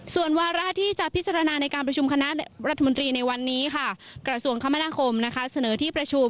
ส่วนวาระที่จะพิสารนะในการประชุมคณะรัฐมนตรีในวันนี้กระสุนคมแ่วเราสนับสนุนวันนี้